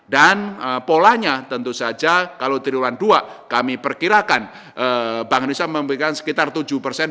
dan polanya tentu saja kalau tiruan dua kami perkirakan bank indonesia memiliki sekitar tujuh persen